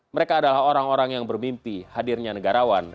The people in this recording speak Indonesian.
mereka adalah orang orang yang bermimpi hadirnya negarawan